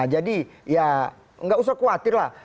jadi ya enggak usah khawatir lah